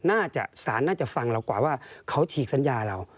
สารน่าจะฟังเรากว่าว่าเขาฉีกสัญญาเรา